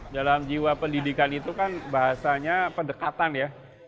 dalam jiwa pendidikan itu kan bahasanya pendekatan ya